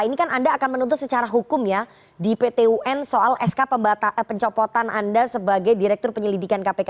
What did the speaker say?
ini kan anda akan menuntut secara hukum ya di pt un soal sk pencopotan anda sebagai direktur penyelidikan kpk